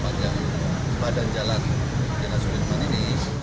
badan jalan jalan sudirman ini